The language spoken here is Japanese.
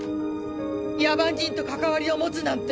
野蛮人と関わりを持つなんて。